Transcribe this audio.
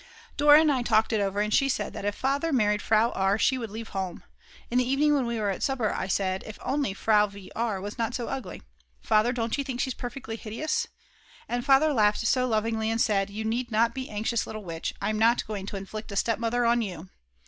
Dora and I talked it over, and she said that if Father married Frau R., she would leave home. In the evening when we were at supper, I said: "If only Frau v. R. was not so ugly. Father, don't you think she's perfectly hideous? And Father laughed so lovingly and said: You need not be anxious, little witch, I'm not going to inflict a stepmother on you."